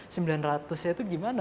sembilan ratusnya itu gimana